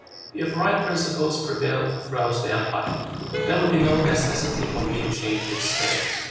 If right principles prevailed throughout the empire, there would be no necessity for me to change its state."